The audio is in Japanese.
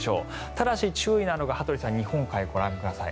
ただし、注意なのが羽鳥さん、日本海をご覧ください。